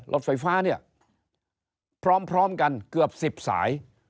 รถไฟฟ้าเนี่ยพร้อมพร้อมกันเกือบสิบสาย